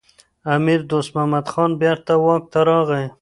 امیر دوست محمد خان بیرته واک ته راغی.